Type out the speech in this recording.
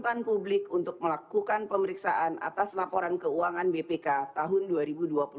lima r lima puluh tanggal dua puluh tujuh september hal pemberhentian dan pengangkatan panglima tni